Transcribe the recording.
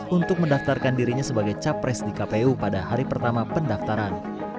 untuk mendaftarkan dirinya sebagai capres di kpu pada hari pertama pendaftaran